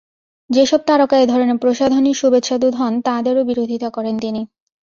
যেসব তারকা এ ধরনের প্রসাধনীর শুভেচ্ছাদূত হন, তাঁদেরও বিরোধিতা করেন তিনি।